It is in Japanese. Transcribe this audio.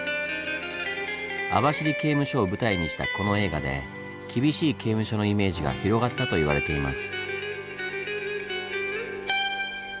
網走刑務所を舞台にしたこの映画で厳しい刑務所のイメージが広がったと言われています。